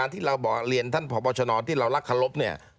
ที่เราบอกเรียนท่านพบชนที่เรารักเคารพเนี่ย